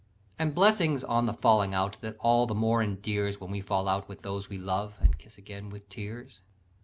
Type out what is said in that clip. And blessings on the falling out That all the more endears, When we fall out with those we love And kiss again with tears!